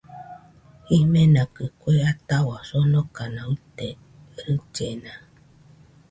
Jimenakɨ kue atahua sonokana uite, rillena